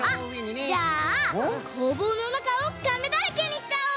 あっじゃあこうぼうのなかをカメだらけにしちゃおう！